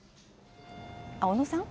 小野さん。